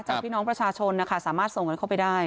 พี่น้องประชาชนนะคะสามารถส่งกันเข้าไปได้